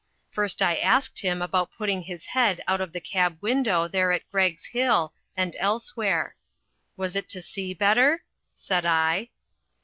First I asked him about putting his head out of the cab window there at Greggs Hill and elsewhere. "Was it to see better?" said I.